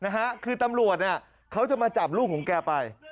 นะฮะคือตำรวจเนี่ยเขาจะมาจับลูกของแกไป